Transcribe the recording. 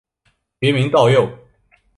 别名道佑。